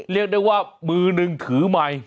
เรียกได้ว่ามือหนึ่งถือใหม่